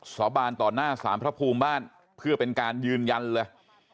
สาบานต่อหน้าสารพระภูมิบ้านเพื่อเป็นการยืนยันเลย